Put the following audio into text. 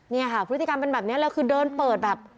เนี่ยค่ะพฤติกรรมเป็นแบบนี้เลยคือเดินเปิดแบบ